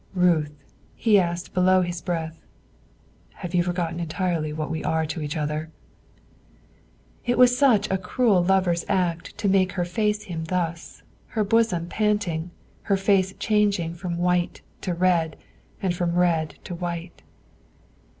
"Ruth," he asked below his breath, "have you forgotten entirely what we are to each other?" It was such a cruel lover's act to make her face him thus, her bosom panting, her face changing from white to red and from red to white.